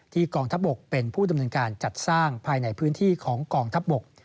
กองทัพบกเป็นผู้ดำเนินการจัดสร้างภายในพื้นที่ของกองทัพบก